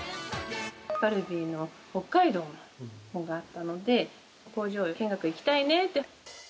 カルビーの北海道のほうがあったので、工場見学行きたいねって。